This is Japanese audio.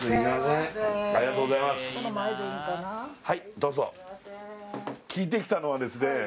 はいどうぞ聞いてきたのはですね